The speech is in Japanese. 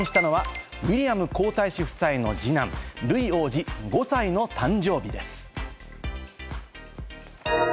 ランクインしたのはウィリアム皇太子夫妻の二男・ルイ王子、５歳の誕生日です。